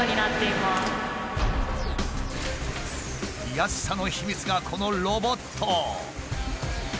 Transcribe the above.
安さの秘密がこのロボット。